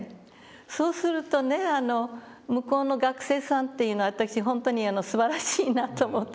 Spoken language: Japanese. そうするとね向こうの学生さんというのは私本当にすばらしいなと思ったの。